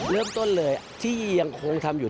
เริ่มต้นเลยที่ยังคงทำอยู่